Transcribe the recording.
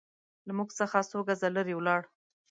له موږ څخه څو ګزه لرې ولاړ.